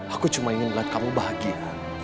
aku cuma ingin melihat kamu bahagia